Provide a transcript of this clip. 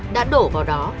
đã đổ vào đó